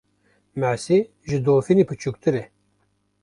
Masî ji dolfînê biçûktir e.